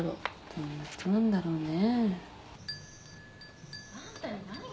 どんな人なんだろうね。